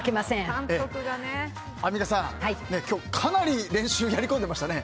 アンミカさん、かなり練習をやり込んでいましたね。